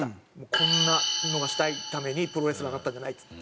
「こんなのがしたいためにプロレスラーになったんじゃない」っつって。